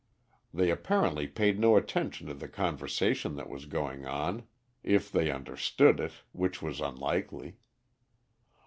They apparently paid no attention to the conversation that was going on, if they understood it, which was unlikely.